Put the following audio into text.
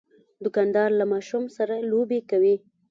دوکاندار له ماشومان سره لوبې کوي.